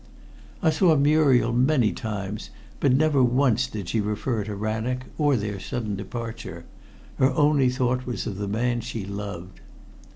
I saw Muriel many times, but never once did she refer to Rannoch or their sudden departure. Her only thought was of the man she loved.